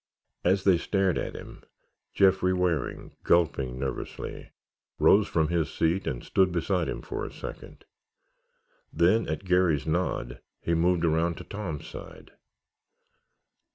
As they stared at him, Jeffrey Waring, gulping nervously, rose from his seat and stood beside him for a second. Then, at Garry's nod, he moved around to Tom's side.